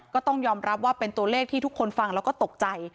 ก็ต้องยอมรับว่าเป็นตัวเลขที่ทุกคนฟังแล้วก็ตกใจ